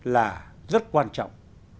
là rất quan trọng